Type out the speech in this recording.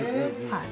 はい。